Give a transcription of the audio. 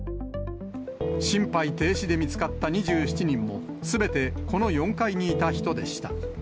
心肺停止で見つかった２７人も、すべて、この４階にいた人でした。